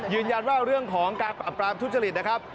ยืนยันว่าเรื่องของการปรับปรามทุจริตนะครับ